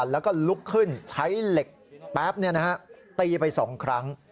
แล้วก็ลุกขึ้นใช้เหล็กแป๊บตีไป๒ครั้ง